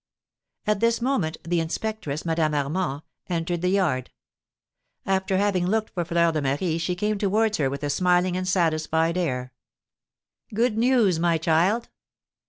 At this moment, the inspectress, Madame Armand, entered the yard. After having looked for Fleur de Marie, she came towards her with a smiling and satisfied air. "Good news, my child."